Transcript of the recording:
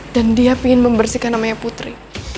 dan dia pengen membersihkan namanya putri